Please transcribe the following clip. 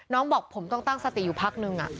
บอกผมต้องตั้งสติอยู่พักนึง